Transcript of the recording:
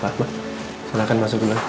pak silahkan masuk dulu